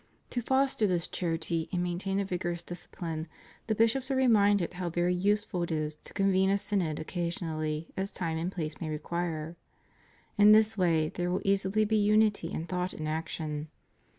To foster this charity and main tain a vigorous discipline the bishops are reminded how very useful it is to convene a synod occasionally as time and place may require. In this way there will easily be unity in thought and action.